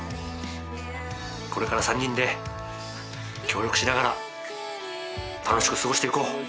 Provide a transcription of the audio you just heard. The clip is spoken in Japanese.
これから３人で協力しながら楽しく過ごしていこう。